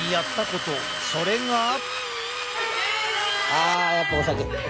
あやっぱお酒。